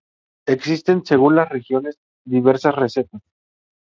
Existen, según las regiones, diversas recetas.